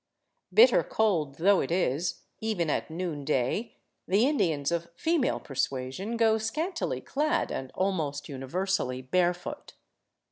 Bitter cold though it is, even at noonday, the Indians of female persuasion go scantily clad and almost universally barefoot.